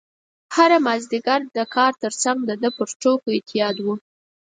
هره مازدیګر د کار ترڅنګ د ده پر ټوکو اعتیاد و.